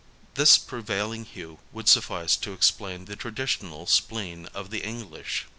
This prevailing hue would suffice to explain the traditional spleen of the English.